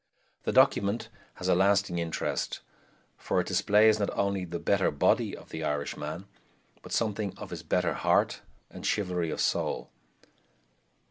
The document has a lasting interest, for it displays not only the "better body" of the Irishman, but something of his better heart and chivalry of soul.